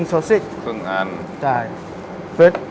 ใส่เข้าไป